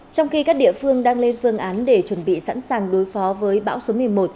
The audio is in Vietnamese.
trong khi các địa phương đang lên phương án để chuẩn bị sẵn sàng đối phó với bão số một mươi một